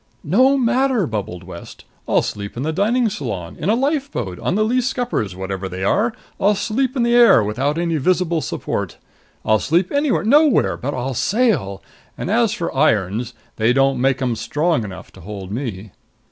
"No matter!" bubbled West. "I'll sleep in the dining saloon, in a lifeboat, on the lee scuppers whatever they are. I'll sleep in the air, without any visible support! I'll sleep anywhere nowhere but I'll sail! And as for irons they don't make 'em strong enough to hold me."